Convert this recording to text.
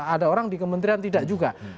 ada orang di kementerian tidak juga